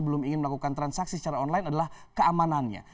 belum ingin melakukan transaksi secara online adalah keamanannya